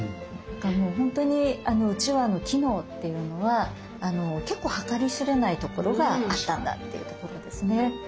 ほんとにうちわの機能っていうのは結構計り知れないところがあったんだというところですね。